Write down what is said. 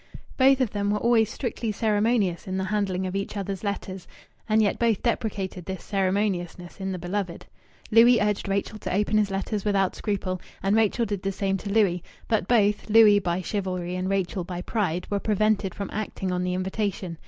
Both of them were always strictly ceremonious in the handling of each other's letters, and yet both deprecated this ceremoniousness in the beloved. Louis urged Rachel to open his letters without scruple, and Rachel did the same to Louis. But both Louis by chivalry and Rachel by pride were prevented from acting on the invitation.